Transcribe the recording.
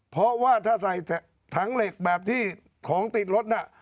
เพราะว่าถ้าใส่ถังเหล็กแบบที่ของติดรถน่ะ